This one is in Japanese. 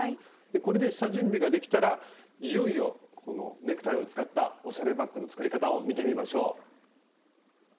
これで下準備ができたらいよいよこのネクタイを使ったおしゃれバッグの作り方を見てみましょう。